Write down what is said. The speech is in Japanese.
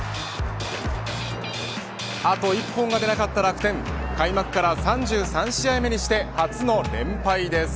あと１本が出なかった楽天開幕から３３試合目にして初の連敗です。